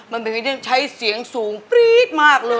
มันเป็นเรื่องใช้เสียงสูงปรี๊ดมากเลย